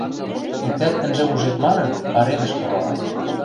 Иктӓт ӹнжӹ ужеп манын, каремӹшкӹ вала.